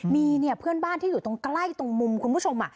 มีเนี่ยเพื่อนบ้านที่อยู่ตรงใกล้ตรงมุมคุณผู้ชม